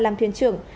làm thuyền trưởng